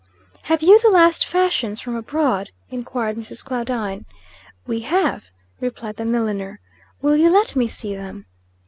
"Have you the last fashions from abroad?" enquired Mrs. Claudine. "We have," replied the milliner. "Will you let me see them?"